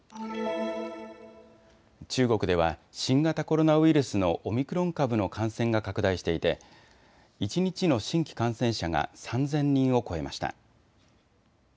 中国では新型コロナウイルスのオミクロン株の感染が拡大していて一日の新規感染者が３０００人を超えました。